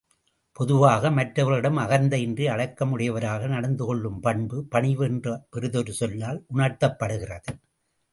பொதுவாக மற்றவர்களிடம் அகந்தையின்றி அடக்கமுடையவராக நடந்து கொள்ளும் பண்பு, பணிவு என்ற பிறிதொரு சொல்லால் உணர்த்தப்படுகிறது.